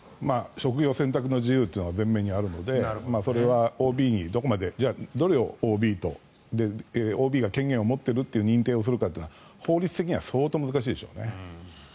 職業選択の自由って全面的にあるので、そこはＯＢにどこまで、どれをＯＢとＯＢが権限を持ってるって認定するのは法律的には相当難しいでしょうね。